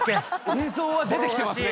映像は出てきてますね